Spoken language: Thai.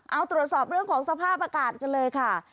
เอาตรวจสอบเรื่องของสภาพอากาศกันเลยค่ะ